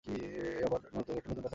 এ আবার একটা নতুন ফ্যাসাদ দেখছি।